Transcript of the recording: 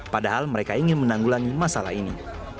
padahal mereka ingin menanggulangi masalah ini